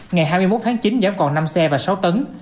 ngày hai mươi một tháng chín giảm còn năm xe và sáu tấn